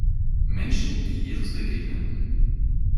Menschen, die Jesus begegneten.